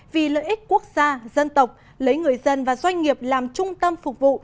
vì lợi ích quốc gia dân tộc lấy người dân và doanh nghiệp làm trung tâm phục vụ